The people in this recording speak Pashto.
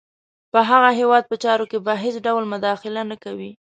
په هغه هیواد په چارو کې به هېڅ ډول مداخله نه کوي.